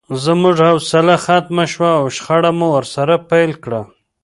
زموږ حوصله ختمه شوه او شخړه مو ورسره پیل کړه